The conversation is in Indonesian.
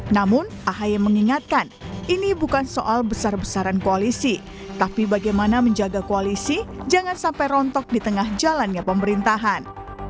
namun ahy mengingatkan ini bukan soal besar besaran koalisi tapi bagaimana menjaga koalisi jangan sampai rontok di tengah jalannya pemerintahan